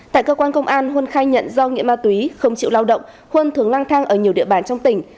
tại cơ quan công an huân khai nhận do nghiện ma túy không chịu lao động huân thường lang thang ở nhiều địa bàn trong tỉnh